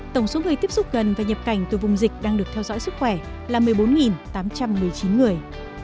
tổng số người tiếp xúc gần và nhập cảnh từ vùng dịch đang được theo dõi sức khỏe là một mươi bốn tám trăm một mươi chín người